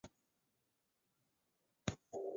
该物种的模式产地在广西金秀。